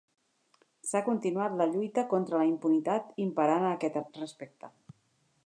S'ha continuat la lluita contra la impunitat imperant a aquest respecte.